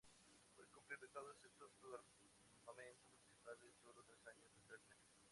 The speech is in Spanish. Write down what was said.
Fue completado, excepto su armamento principal, en solo tres años y tres meses.